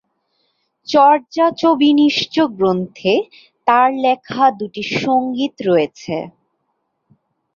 চর্যাচর্যবিনিশ্চয় গ্রন্থে তার লেখা দুইটি সঙ্গীত রয়েছে।